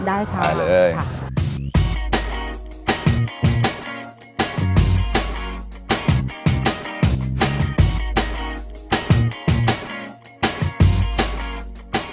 ได้ค่ะไปเลยค่ะ